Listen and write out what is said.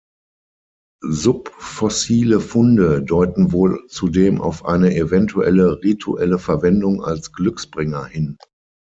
Subfossile Funde deuten wohl zudem auf eine eventuelle rituelle Verwendung als Glücksbringer hin.